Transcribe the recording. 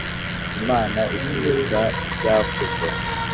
Imana isubizwe rya kuzo